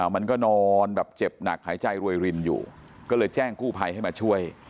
มันก็นอนแบบเจ็บหนักหายใจรวยรินอยู่ก็เลยแจ้งกู้ภัยให้มาช่วย